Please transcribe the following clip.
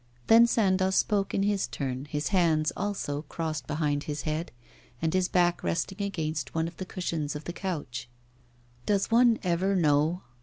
Then Sandoz spoke in his turn, his hands also crossed behind his head, and his back resting against one of the cushions of the couch. 'Does one ever know?